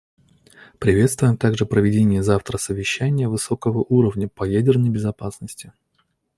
Приветствуем также проведение завтра Совещания высокого уровня по ядерной безопасности.